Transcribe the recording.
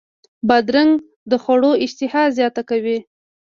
بادرنګ د خوړو اشتها زیاته کوي.